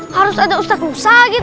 harus ada ustaz musa gitu